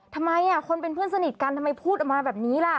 ทำไมคนเป็นเพื่อนสนิทกันทำไมพูดออกมาแบบนี้ล่ะ